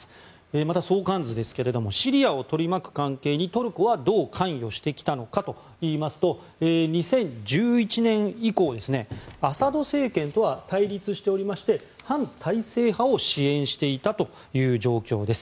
また相関図ですがシリアを取り巻く関係にトルコはどう関与してきたのかといいますと２０１１年以降、アサド政権とは対立しておりまして反体制派を支援していた状況です。